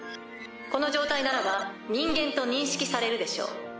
この状態ならば「人間」と認識されるでしょう。